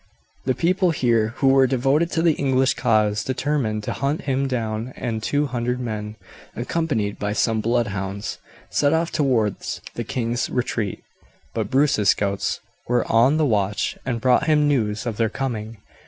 The people here who were devoted to the English cause determined to hunt him down, and two hundred men, accompanied by some blood hounds, set off towards the king's retreat; but Bruce's scouts were on the watch and brought him news of their coming.